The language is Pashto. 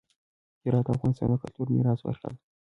هرات د افغانستان د کلتوري میراث برخه ده.